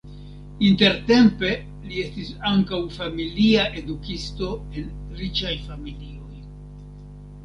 Intertempe li estis ankaŭ familia edukisto en riĉaj familioj.